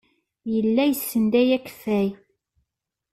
Yella yessenduy akeffay.